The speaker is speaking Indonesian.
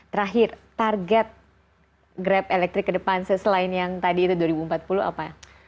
terakhir target grab elektrik ke depan selain yang tadi itu dua ribu empat puluh apa ya